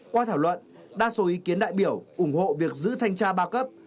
qua thảo luận đa số ý kiến đại biểu ủng hộ việc giữ thanh tra ba cấp